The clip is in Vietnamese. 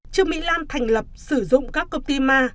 trường mỹ lan thành lập sử dụng các cục tim ma